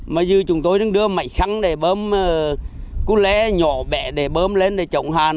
mà dù chúng tôi đứng đưa máy xăng để bơm cú lẽ nhỏ bẻ để bơm lên để trồng hạn